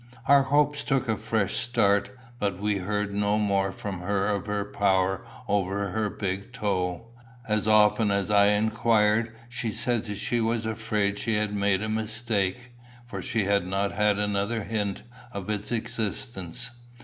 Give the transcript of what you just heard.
Our hopes took a fresh start, but we heard no more from her of her power over her big toe. As often as I inquired she said she was afraid she had made a mistake, for she had not had another hint of its existence.